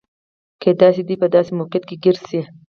کېدای شي دوی په داسې موقعیت کې ګیر شي.